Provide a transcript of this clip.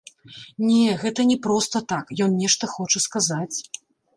Не, гэта не проста так, ён нешта хоча сказаць.